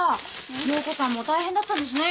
容子さんも大変だったんですね